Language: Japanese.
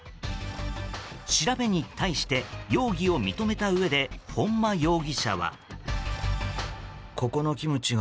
調べに対して容疑を認めたうえで本間容疑者は。